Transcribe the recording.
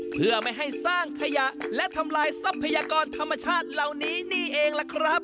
เพื่อไม่ให้สร้างขยะและทำลายทรัพยากรธรรมชาติเหล่านี้นี่เองล่ะครับ